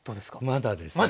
まだですね。